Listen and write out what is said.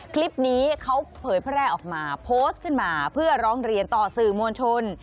คลิปนี้เขาเผยแพร่ออกมาโพสต์ขึ้นมาเพื่อร้องเรียนต่อสื่อมวลชน